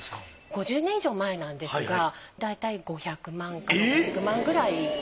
５０年以上前なんですがだいたい５００万か６００万くらい。